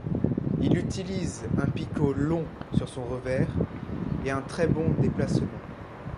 Il utilise un picot long sur son revers et a un très bon déplacement.